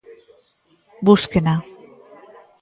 ¡Búsquena!